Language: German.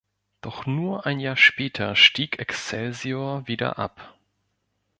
Doch nur ein Jahr später stieg Excelsior wieder ab.